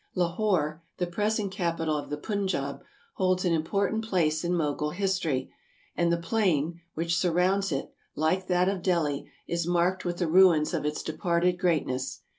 Lahore, the present capital of the Punjaub, holds an im portant place in Mogul history, and the plain which sur rounds it, like that of Delhi, is marked with the ruins of its departed greatness.